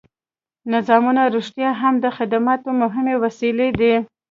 نظامونه رښتیا هم د خدماتو مهمې وسیلې دي.